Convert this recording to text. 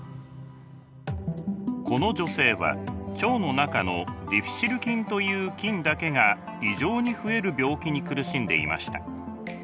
この女性は腸の中のディフィシル菌という菌だけが異常に増える病気に苦しんでいました。